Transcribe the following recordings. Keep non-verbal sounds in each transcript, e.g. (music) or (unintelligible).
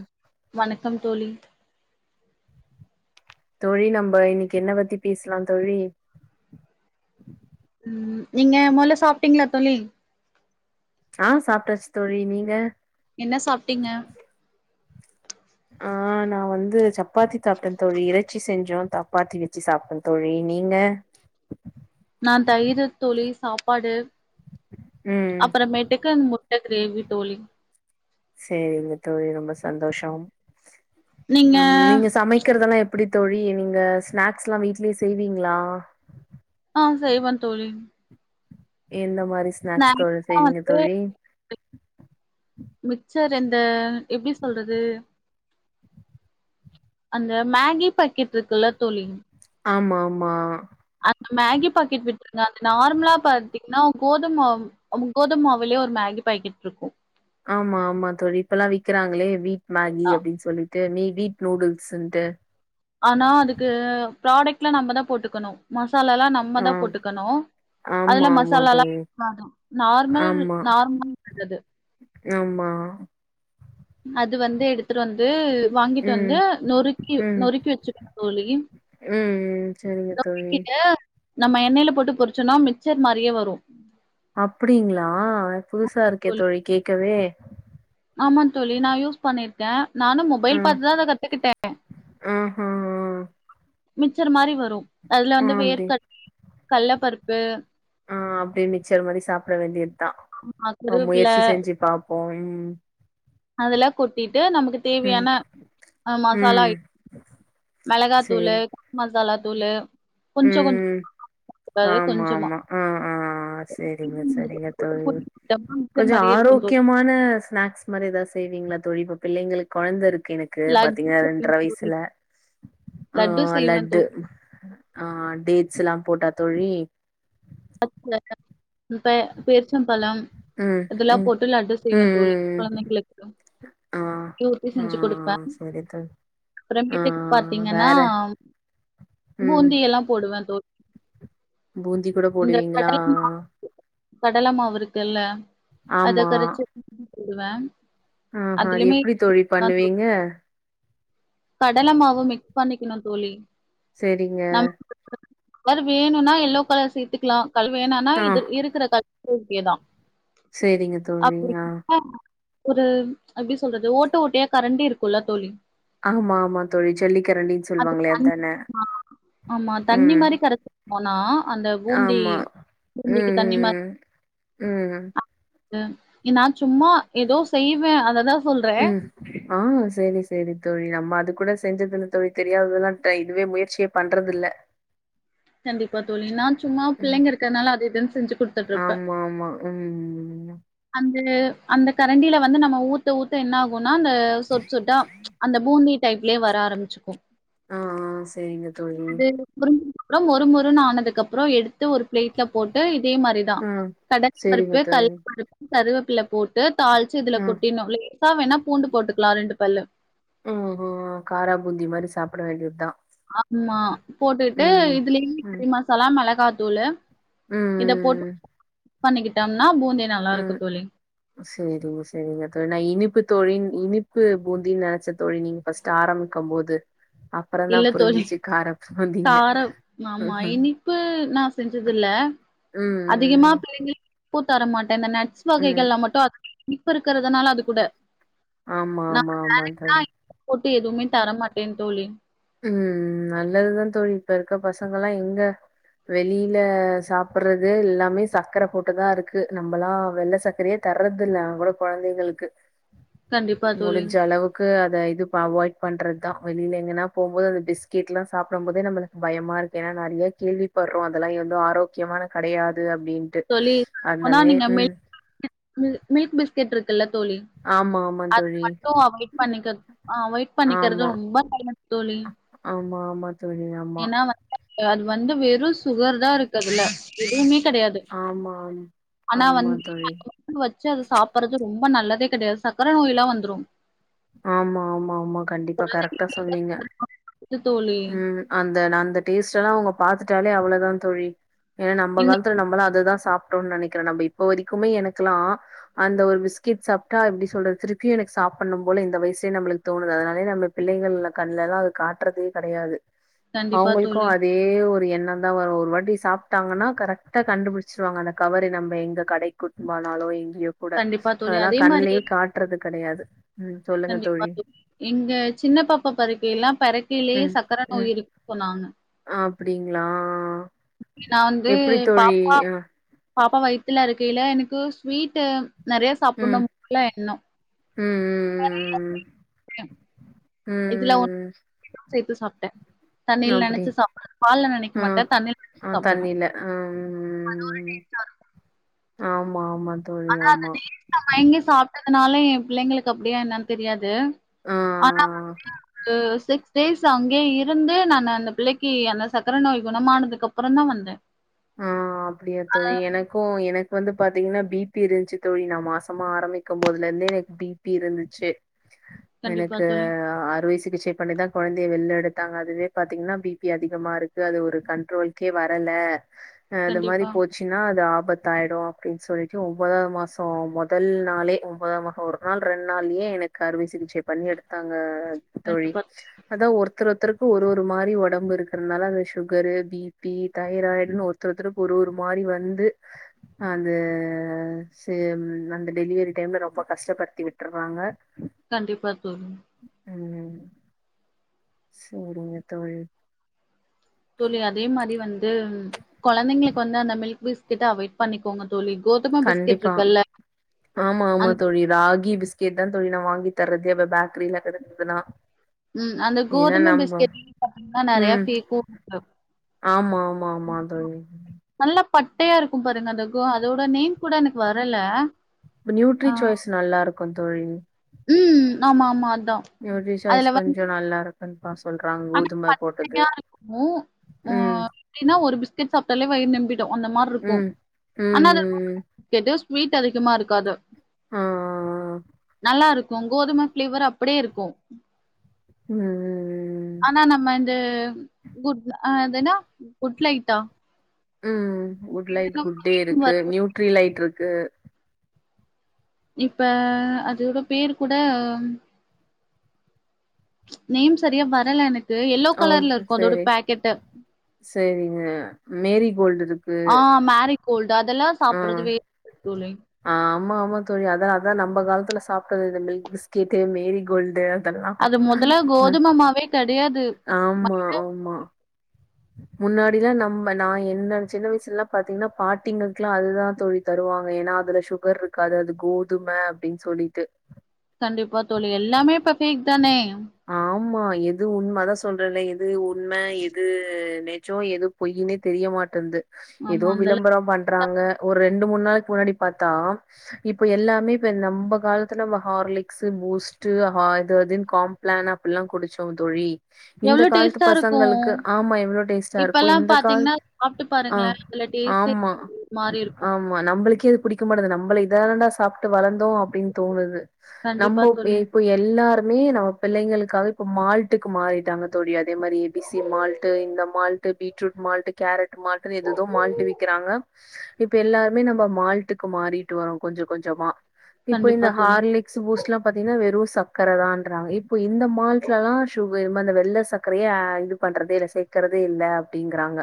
ம் வணக்கம் தோழி தோழி நம்ம இன்னைக்கு என்ன பத்தி பேசலா தோழி நீங்க முதல்ல சாப்பிட்டீங்களா தோழி ஆ சாப்டாச்சு தோழி நீங்க என்ன சாப்ட்டீங்க ஆ நா வந்து சப் ப்பாத்தி சாப்பிட்டே தோழி இறச்சி செஞ்சோ தா ப்பாத்தி வச்சு சாப்ட தோழி நீங்க நா தயிரு தோழி சாப்பாடு ம் அப்புறமேட்டுக்கு மு ட்ட க்ரேவி தோழி சேரிங்க தோழி ரொம்ப சந்தோஷம் நீங்க ம் நீங்க சமைக்கரதல்லா எப்புடி தோழி நீங்க ஸ்நாக்ஸ்லா வீட்லே செய்வீங்களா ஆ செய்வ தோழி எந்த மாரி ஸ்நாக்ஸ்கள் ஸ்நாக்ஸ்னா செய்வீங்க தோழி மிச்சர் இந்த எப்டி சொல்றது அந்த மேகி பக்கெட் இருக்குல்லா தோழி ஆமாமா அந்த த்தீங்கனா கோதும கோதும மாவுலே ஒரு மேகி பாக்கெட் இருக்கு ஆமா ஆமா தோழி இப்பல்லா விக்கிறாங்களே வீ மேகி ஆ அப்டின் சொல்லி ட்டு நீ வீட் நூடுல்ஸ்ன்ட்டு ஆனா அதுக்கு ப்ராடக்ட்லா நம்பதா போட்டுக்குனு த்தாலெல்லா ஆ நம்பதா போட்டுக்கனு ஆமா அதுல ஆமா மசாலாலா தோழி நார்மல் ஆமா நார்மல்க்குது ஆமா அது வந்து எடுத்துட்டு வந் து வாங்கிட்டு ம் வந்து நொறுக்கி ம் நொறுக்கி வச்சிங்க தோழி ம் சரிங்க தோழி நொறுக்கிட்டு நம்ம எண்ணெய்ல போட்டு பொறிச்சோனா மிச்சர் மாரியே வரு அப்பிடிங்களா புதுசா இருக்கே தோழி கேக்கவே ஆமா தோழி நா யூஸ் பண்ணிருக்கே நானு மொபைல் ம் பாத்துதா அத கத்துக்கிட்டே ஆஹா மிச்சரு மாரி வரு அதுல ஆ வந்து அப்டி வேர்க கல்ல பருப்பு ஆ அப்டே மிச்சர் மாரி சாப்ட வேண்டியதா அ கருவேப்பில முயற்சி செஞ்சி பாப்போ ம் அதெல்லா கொட்டி ட்டு நமக்கு ம் தேவையான ம் மசாலா சேரி மெளகாத்தூளு மசாலா தூளு கொஞ்ச கொஞ்ச ம் கூடாது ஆமா கொஞ்சமா ஆமா ஆ ஆ சேரிங்க சரிங்க பொட்டு தோழி பொடி டப்பா மிக்சர் கொஞ்ச மாரியே இருக்கும் தோழி. ஆரோக்கியமான ஸ்நாக்ஸ் மாரி எதா செய்விங்களா தோழி இப்ப பிள்ளைங்களுக்கு கொழந்தை இருக் கு எனக்கு லட்டு பாத்தீங்கன்னா ரெண்டர செய்வேன் தோழி வயசுல ஆ லட்டு செய்வேன் லட்டு தோழி. ஆ டேட்ஸ்ல்லா போட்டா தோழி (unintelligible) இப்ப பேருச்சம்பழம் ம் இதெல்லா ம் போட்டு லட்டு செய்வே ம் தோழி ம் கொழந்தைங்களுக்கு ஆ இட்லி ஊத்தி ஆ செஞ்சி குடுப்பே சரி தோழி அப்புறோ ஆ வீட்டுக்கு பாத்தீங்கன்னா வேற பூந்தி எல்லா போடுவே தோ பூந்திப் கூடபோடுவீங்களா கடல மாவு கடல மாவு இருக்குல்ல அது கரச்சி போடுவ ஆஹ அது எப்பிடி தோழி பண்ணுவீங்க கடல மாவு மிக்ஸ் பண்ணிக்கணு தோழி சேரிங்க வரு வேணும்னா எல்லோகலர் சேர்த்துக்கலா கல் வேணானா இது இருக்கிறகல் (unintelligible) சேரிங்க தோழிஆ ஒரு எப்படி சொல்றது ஓட்ட ஓட்டையா கரண்ட இருக்குல தோழி ஆமா ஆமா தோழி ஜல்லிக்கிரண்டின்னு அது சொல்லுவாங்கலே தண் அதானே ம் மொனா ஆமா தண்ணி ம் ம் ம் ம் அ எனா நா சும்மா ஏதோ செய்வே அததா சொல்றே ம் ஆ சேரி சேரி தோழி நம்ம அது கூட செஞ்சதில்ல தோழி தெரியாதல்லா ட்ரை இதுவே முயற்சியே பண்றதில்ல கண்டிப்பா தோழி நா சும்மா ம். பிள்ளைங்க இருக்கனால அது இது செஞ்சு குடுத்துட்ருப்பே ஆமா ஆமா ம் தே அந்த கரண்டில வந்து நம்ம ஊத்த ஊத்த என்ன ஆகு னா அந்த சொட் சொட்டா அந்த பூந்தி டைப்லேயே வர ஆரம்பச்சுகு ஆ ஆ சேரிங்க (unintelligible) அப்புறோ மொருமொரு ஆனதுக்கு அப்புறோ எடு த்து ஒரு பிளேட்ல போட்டு இதே மாரிதா ஆ. கடலை சரிங்க பருப்பு தோழி. கள்ள பருப்பு கருவேப்பில போட்டு தளிச்சு இதுல ஆ. கொட்டிணு லேசா வேணா பூண்டு போட்டுக்கலா ரெண்டு பல்லு அப்பட வேண்டியதா ஆமா போட்டுக்கிட்டு இதுலயே ம். கறி மசாலா மிள காத்தூளு இத போட்டு பண்ணிக்கிட்டேன் ஆ சரிங்க சரிங்க தோழி நா இனிப்பு தொழில் இனிப்பு பூந்தின்னு நினைச்ச தொழி நீங்க ஃபர்ஸ்ட் ஆரம்பிக்கும் போது அப்புறந்தா இல்ல தோழி புரிஞ்சிச்சு காரப் காரம் ஆமா இனிப்பு நா செஞ்சதுல்ல அதிகமா ம், பிள்ளைங்களுக் (unintelligible) தரமாட் இந்த நட்ஸ் ம், ம். வகைகள்லா மட்டு உம் பு இருக்கிறதுனால அது கூட ஆமா, நா ஆமா, வே ஆமா தோழி. (unintelligible) போட்டு எதுவுமே தர மாட்டே கே தோழி உ நல்லதுதா தோழக இப்ப இருக்க பசங்கல்லா எங்க வெளில சாப்பிட்றது எல்லாமே சக்கர போட்டுதா இருக்கு நம்மல்லா வெள்ள சக்கரையே தர்றது இல்ல ஆகூட குழந்தைங்களுக்கு கண்டிப்பா தோழி. முடிஞ்ச அளவுக்கு அது அ இது அவாய்ட் பண்றது தா வெளில எங்கன்னா போம்போது அந்த பிஸ்கெட்ல்லா சாப்பிடம் போதே நம்மளுக்கு பயமா இருக்கு ஏன்னா நறையா கேள்விப்படுறோ அதெலா எதோ ஆரோக்கியமான கடையாது சொல்லி போனா நீங்க மில்க் பிஸ் கீற்று தல்ல தோழி ஆமா, ஆமா அது தோழி. மட்டு அ குவிட் பண்ணக்கர் அவாய்ட் பண்ணிக்கிறது ஆமா, ரொம்ப நல்லது தோலி ஆமா ஆமா தோலி ஆமா அது வந்து வெறுஸ் சுகர் தா இருக்கதுல எதுவுமே கடையாது ஆமா, ஆமா ஆனா ஆமா வந்து தோழி. வ வச்சு அத சாப்பட்றது ரொம்ப நல்லதே கடையாது சக்கரை நோய்லா வந்துரு ஆமா ஆமா ஆமா கண்டிப்பா கரெக்டா சொன்னீங்க த்து தோலி அன் அந்த டேஸ்டெல்லா அவங்க பாத்துட்டாலே அவ்வளதா தொழி ஏன்னா நம்ம நீங்க காலத்துல நம்மளா அததா சாப்ட்டோம்னு நனைக்கிற நம்ம இப்போ வரைக்குமே எனக்குலா அந்த ஒரு பிஸ்கெட் சாப்ட்டா எப்டி சொல்றது திருப்பியு எனக்கு சாப்புண்ணு போல இந்த வயசுலே நம்மளுக்கு தோணுது அதனாலே நம்ம பிள்ளைகள்ல கண்ணலலா அத காட்றது கடையாது கண்டிப்பா அவங்களுக்கு தோழி. அதே ஒரு என் ந்தா ஒரு ஒரு வாட்டி சாப்ட்டாங்கன்னா கரெக்டா கண்டுபிடிச்சிருவாங்க அந்த கவரு நம்ம எங்க கடைக்கு கூட்டுபோனாலூ எங் ய்யுகூட கண்டிப்பா தோழி. அதெல்லா அதே மாரி கண்லயே காட்றது கடையாது கண்டிப்பா எங்க சின்ன பாப்பா பருக்கை எல்லாம் பெறக்கையிலேயே சக்கர நோய் இருக்கு சொன்னாங்க அ அப்டிங்களா நான் வந்து எப்டி பா தோழி அ பாப்பா வயித்துல‌ இருக்கைல எனக்கு ஸ்வீட்டு நறையா சாப்புனும் போல எண்ணோ ம் ம் ம் ம் ம் இதுல ஒன்னு ம் ம் சேத்து சாப்ட அப்டி மாட்டே ம் தண்ணில நெனச்சு அ‌ சாப்டுவே தண்ணில அம் ஆம் அதா அந்த டேஸ்ட்ல மயங்கி சாப்டுற அதனால எ புள்ளைங்களுக்கு அப்டியா என்னன் தெரியாது ஆ, ஆனா வந்து சிக்ஸ் டேஸ் அங்கயே இருந்து நானு அந்த புள்ளைக்கு அந்த சக்கர நோய் குணமானதுக்கு அப்புறந்தா வந்த ஆ அப்டியா தோழி எனக்கு எனக் வந்து பாத்தீங்கன்னா பீப்பி இருஞ்சு தோழி நா மாசமா ஆரம்பிக்கும் போதுல இருந்தே எனக்கு பீப்பி இருந்துச்சு கண்டிப்பா எனக்கு தோழி ஆறு வயிசு சிகிச்சை பண்ணிதா கொழந்தைய வெள்ல எடுத்தாங்க அதுவே பாத்தீங்கன்னா பீப்பி அதிகமா இருக்கு அது ஒரு கண்ட்ரோல்கே வரல அது மாரி கண்டிப்பா போச்சுன்னா அது ஆப் ஆபத்தாயிடு அப்டின் சொல்ட்டு ஒம்பதா மாசோ மொதல் நாளே ஒம்பதா மாசோ ஒரு நாள் ரெண் நாள்யே எனக்கு அறுவை சிகிச்சை பண்ணி எடுத்தாங்க தோழி கண்டிப்பா அதா ஒரு ஒருத்தர் ஒருத்தருக்கு ஒரு ஒரு மாரி ஒடம்பு இருக்குறதுனால அது சுகரு பீப்பி தைராய்ட் டுன் ஒருத்தரு ஒருத்தருக்கு ஒரு ஒரு மாரி வந்து அந்த சேம் அந்த டெலிவரி டைம்ல ரொம்ப கஷ்டப்படுத்தி விட்டுறாங்க கண்டிப்பா தோழி ம் சேரிங்க தோழி தோழி அதே மாரி வந்து கொந்தைங்களுக்கு வந்து அந்த மில்க் பிஸ்கெட்ட அவாய்ட் பண்ணிக்கோங்க தோழி கோதும பிஸ்கெட் கண்டிப்பா இருக்குல்ல ஆமா ஆமா அந்த தோழி ராகி பிஸ் கேட்தான் தோழி நா வாங்கி தர்றதே அப்ப பேக்ரில (unintelligible) ம் அந்த கோதும பிஸ்கெட் (inaudible) பாத்தீங்கன்னா நறையா ம் ஃபேக்கு ஆமா ஆமா ஆமா தோழி. நல்லாப் பட்டையா இருக்கு பாருங்க அந்த கோ அதோட நேம் கூட எனக்கு வரல ஆ நியூட்ரி சாய்ஸ் நல்லாருக் க்கு தோழி ம் ஆமா ஆமாந் நியூட்ரி சாய்ஸ் கொஞ்சோ நல்லா இருக் ரன் பாஸ் சொல்றாங்க ஆனா கோதும போட்டது நெறையா இருக்குமோ ம் ட்டாலே வயிறு நம்பி ட்டோ அந்த மார் இருக்கு ம். ம். ஆனா அது ம். கேட்டு வீட் அதிகமா இருக்காது ஆ ஆ ஆ நல்லா இருக்கு கோதும ஃபிளேவர் அப்பிடியே இருக்கு ம் ம் ம் ஆனா நம்ம இந்த குட் அது என்னா குட்லைட்டா ம் குட் லைட் குட்டே இருக்கு நியூட்ரி லைட் இருக் க்கு இப்ப அதுட பேர் கூட நேம் சரியா வரல எனக் ஓகே செரி செரிங்க மேரி கோல்டு இருக்கு கோல் மஆ ஆமா ஆமா தோழி அத அதா நம்ம காலத்துல சாப் க்கறது இந்த மில்க்பிஸ்கேட்டு மேரி கோல்டு அதெல்லாம். அது மொதல்ல கோதும மாவே கெடைய ஆமா ஆமா முன்னாடி நம்ம நா என்ன சின்ன வயசுலல்லா பாத்தீங்கன்னா பாட்டிங்களுக்கெல்லா அதுதா தோழி தருவாங்க ஏன்னா அதுல சுகர் இருக்காது அது கோதும அப்பிடின் சொல்லிட்டு கண்டிப்பா தோழி எல்லாமே இப்ப பேக் தானே ஆமா. எது உண்ம அதா சொல்றலே எது இது உண்ம எது து நெஜோ எது பொய்னே தெரியமாட்டன்து எதோ ஆமா அந்தள விளம்பரோ பண்றாங்க ஒரு ரெண்டு மூணு நாளுக்கு முன்னாடி பாத்தா இப்ப எல்லாமே இப்ப நம்ப காலத்துல ஹார்லிக்ஸ் பூஸ்டு ஆ இது அதுனு காம்பிளான் அப்பில்லா குடிச்சோ தோழி இந்த எவ்ளோ காலத்து டேஸ்ட்டா இருக்கு பசங்களுக்கு ஆமா எவ்வளோ டேஸ்ட்டா இருக்கும். இப்பெல்லா இந்த கால் பாத்தீங்கன்னா சாப்புட்டு ஆ, பாருங்களே அதுல டேஸ்டே மாரி இருக்கு நம்மளுக்கே இது புடிக மாடிது நம்மள இதண்டா சாப்ட்டு வளந் தோ அப்படின் தோணுது நம்ப கண்டிப்பா இப்ப தோழி இப்ப எல்லாரு மீ நம்ம பிள்ளைங்களுக்காக இப்ப மால்ட்டுக்கு மாறிட்டாங்க தோழி அதே மாரி ஏபிசி மால்ட் டு இந்த மால்டு பீட்ரூட் மால்டு கேரட் மால்டன்னு ஏது ஏதோ மால்ட்டு விக்கிறாங்க இப்ப எல்லாருமே நம்ம மால்ட்டுக்கு மாறிட்டுவறோ கொஞ்ச கொஞ்சமா இப்போ இந்த கண்டிப்பா தோழி ஹார்லிக்ஸ் பூஸ்ட் எல்லா பாத்தீங்கன்னா வெறு சர்கர தான்றாங்க இப்போ இந்த மால்ட்லதா சுகர் வெள்ள சர்க்கரைய அ இது பண்றதே இல சேக்கறதே இல்ல அப்படிங்கறாங்க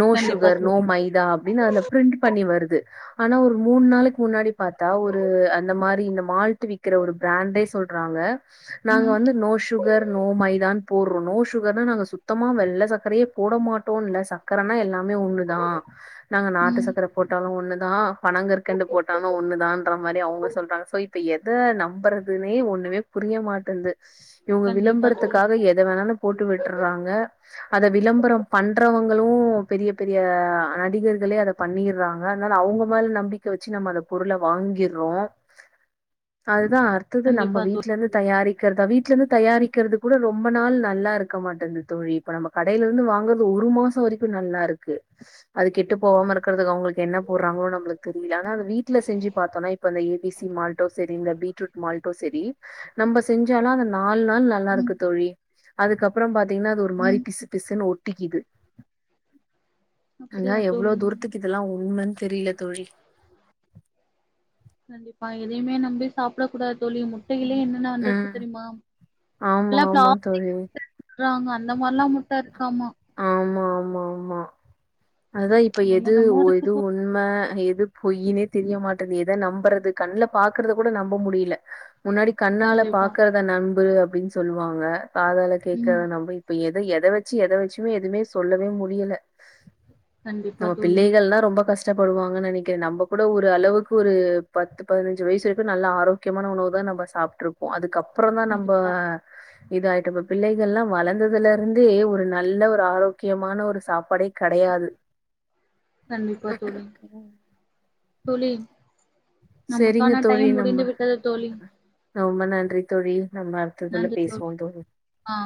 நோ கண்டிப்பா சுகர் நோ தோழி மைதா அப்படின்னு அதுல பிரிண்ட் பண்ணி வருது ஆனா ஒரு மூணு நாளைக்கு முன்னாடி பாத்தா ஒரு அந்த மாரி இந்த மால்ட் விக்கிற ஒரு பிராண்டே சொல் றாங்க நாங்க ம் வந்து நோ சுகர் நோ மைதான் போடுறோ நோ சுகர் நாங்க சுத்தமா வெள்ள சர்கரையே போட மாட்டோல்ல சக்கரனா எல்லா மே ஒண்ணுதா நாங்க நாட்டு ம் சக்கர போட்டாலு ஒண்ணு தா பணங் கற்கண்டு போட்டாலு ஒண்ணுதான்ற மாரி அவங்க சொல்றாங்க சோ இப்ப எத நம்புறதுனே ஒண்ணுமே புரிய மாட்டேங்குது இவங்க கண்டிப்பா தோழி விளம்பரத்துக்காக எத வேணாலு போட்டு விட்டுறாங்க அத விளம்பரம் பண்றவங்களு உ பெரிய பெரிய நடிகர்களே அத பண்ணிறாங்க அதனால அவங்க மேல நம்பிக்க வச்சு நம்ம அந்த பொருள வாங்கிறோ அது அதா அடுத்தது நம்ம கண்டிப்பா தோழி வீட்டுல இருந்து தயாரிக்கிறதாவே வீட்ல இருந்து தயாரிக்கிறது கூட ரொம்ப நாள் நல்லா இருக்க மாட்டேங்குது தோழி இப்ப நம்ம கடையில இருந்து வாங்குறது ஒரு மாச வரைக்கு நல்லா இருக்கு அது கெட்டு போகாம இருக்கிறதுக்கு அவங்க என்ன போடுறாங்கலோ நமளுக்கு தெரியல ஆனா வீட்டுல செஞ்சு பாத்தோம்னா இப்ப ஏபிசி மால்ட்டோ சேரி இந்த பீட்ரூட் மால்ட்டோ சேரி நம்ம செஞ்சாலு அதன நாளு நாள் நல்லா ம் இருக்கு தோழி அதுக்கப்புறம் பாத் தின்ன ஒரு மாரி ம் சுன்னு ஒட்டிக்கிது ஆனா அப்படியா எவ்வளவு தோழி தூரத்துக்கு இதெல்லா உண்மன்னு தெரியல தோழி கண்டிப்பா எதையுமே நம்பி சாப்ட கூடாது தோழி முட்டையிலே என்னென்ன வந்துருச்சு ம். தெரியுமா ஆமா, இப்பல்லா ஆமா தோழி. பிளாஸ்டிக் (inaudible) சொல்றாங்க அந்த மாரிலா முட்ட கமா அதுதா இப்ப எது என்னென்னமோ இருக்கு எது தோழி உண்ம எது பொய்யுனே தெரிய மாட்டேகு எத நம்புறது கண்ல பாக்குறத கூட நம்ப முடியல முன்னாடி கண்ணால கண்டிப்பா பாக்குறத நம்பு அப்டின் சொல்வாங்க காதால கேக்றத ம் நம்ம இப்ப எ எத வச்சு எத வச்சு ம் எதுவுமே சொல்லவே முடியல கண்டிப்பா நம்ப தோழி பிள்ளைகள்தா ரொம்ப கஷ்ட கஷ்டப்படுவாங்கன் நெனக்குறே நம்ம கூட ஒரு அளவுக்கு ஒரு பத்து பதினஞ்சு வயசு வரைக்கு நல்ல ஆரோக்கியமான உணவு தா நம்ம சாப்ட்டுருப்போ அதுக்க அப்றோதா நம்ப கண்டிப்பா இதாயிட்ட இப்ப பிள்ளைகள்ல்லா வளந்ததுல இருந்தே ஒரு நல்ல ஒரு ஆரோக்கியமான ஒரு சாப்பாடே கெடயாது கண்டிப்பா தோழி தோழி செரிங்க நமக்கான தோழி டைம் முடிந்து நம்ம விட்டது தோழி ரொம்ப நன்றி தோழி நம்ம அடுத்ததுல நன்றி தோழி பேசுவோட்டு ஆ